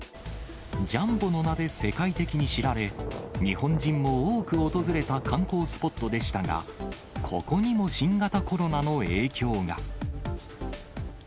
ジャンボの名で世界的に知られ、日本人も多く訪れた観光スポットでしたが、ここにも新型コロナの影響が。